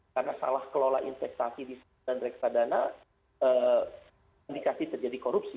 karena salah kelola investasi di sebuah reksadana indikasi terjadi korupsi